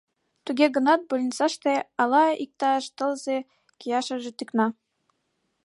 Туге гынат, больницыште але иктаж тылзе кияшыже тӱкна.